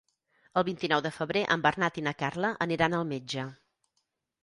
El vint-i-nou de febrer en Bernat i na Carla aniran al metge.